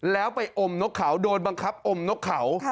แล้วไปอมนกเขาโดนบังคับอมนกเขา